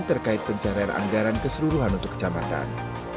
terkait pencarian anggaran keseluruhan untuk kecamatan